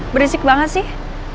berisik banget sih